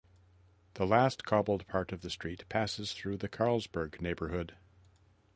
The last cobbled part of the street passes through the Carlsberg neighbourhood.